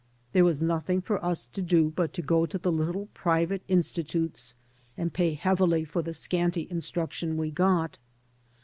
There was nothing for us to do but to go to the little private institutes and pay heavily for the scanty instruction we got.